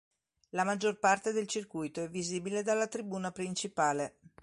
La maggior parte del circuito è visibile dalla tribuna principale.